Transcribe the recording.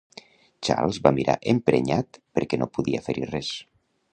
Charles va mirar emprenyat perquè no podia fer-hi res.